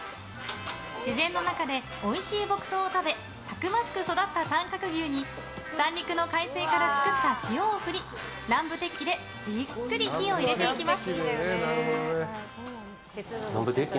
自然の中でおいしい牧草を食べたくましく育った短角牛に三陸の海水から作った塩を振り、南部鉄器でじっくり火を入れていきます。